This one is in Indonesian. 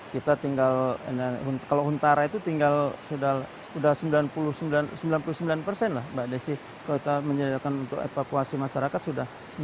kalau huntara itu tinggal sudah sembilan puluh sembilan persen mbak desy kalau kita menjadikan untuk evakuasi masyarakat sudah sembilan puluh sembilan persen